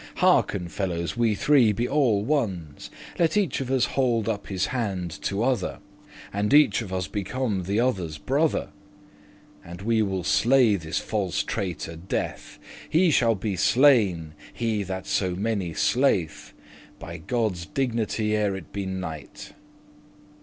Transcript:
*worthy Hearken, fellows, we three be alle ones:* *at one Let each of us hold up his hand to other, And each of us become the other's brother, And we will slay this false traitor Death; He shall be slain, he that so many slay'th, By Godde's dignity, ere it be night."